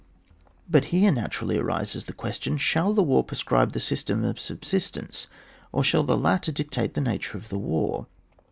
But here naturally arises the question : shall the war prescribe the system of subsistence, or G^iall the latter dictate the nature of the war